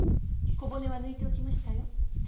小骨は抜いておきましたよ。